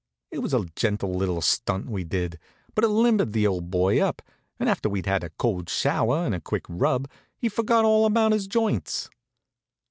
It was a gentle little stunt we did, but it limbered the old boy up, and after we'd had a cold shower and a quick rub he forgot all about his joints.